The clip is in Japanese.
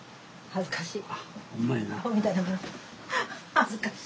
恥ずかしい。